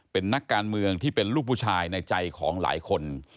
เป็นนักการเมืองที่เป็นลูกผู้ชายในใจของหลายคน